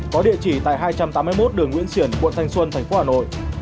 có địa chỉ tại hai trăm tám mươi một đường nguyễn xiển quận thanh xuân tp hà nội